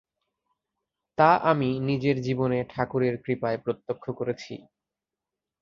তা আমি নিজের জীবনে ঠাকুরের কৃপায় প্রত্যক্ষ করেছি।